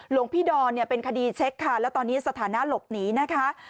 หลวงพี่ดอนเนี่ยเป็นคดีเช็คค่ะแล้วตอนนี้สถานะหลบหนีนะคะ